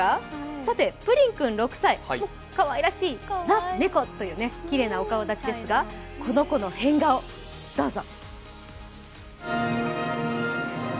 さて、ぷりん君６歳、かわいらしい、ザ・猫っていうきれいなお顔だちですが、この子の変顔、どうぞ。